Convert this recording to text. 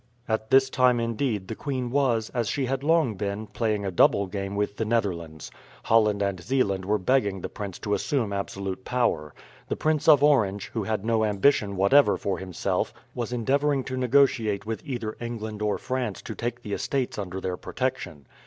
At this time, indeed, the queen was, as she had long been, playing a double game with the Netherlands. Holland and Zeeland were begging the prince to assume absolute power. The Prince of Orange, who had no ambition whatever for himself, was endeavouring to negotiate with either England or France to take the Estates under their protection.